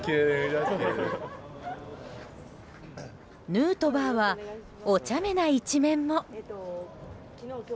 ヌートバーはおちゃめな一面も。